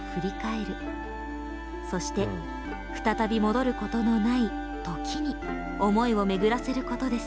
そして再び戻ることのない「時」に思いを巡らせることです。